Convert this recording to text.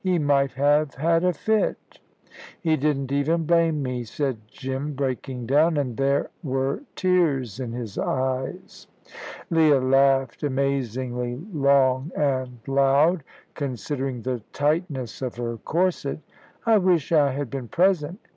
He might have had a fit." "He didn't even blame me," said Jim, breaking down, "an' there were tears in his eyes." Leah laughed amazingly long and loud, considering the tightness of her corset. "I wish I had been present.